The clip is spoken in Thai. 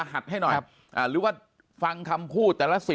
ปากกับภาคภูมิ